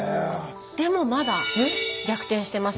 でもまだ逆転してません。